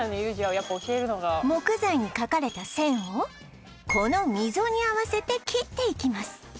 木材に書かれた線をこの溝に合わせて切っていきます